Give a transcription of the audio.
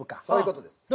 そういう事です。